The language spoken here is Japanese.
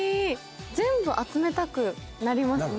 全部集めたくなりますね。